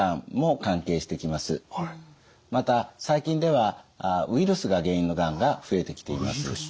また最近ではウイルスが原因のがんが増えてきています。